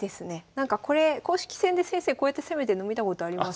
なんかこれ公式戦で先生こうやって攻めてるの見たことあります